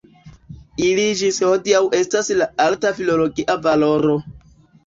Ili ĝis hodiaŭ estas de alta filologia valoro.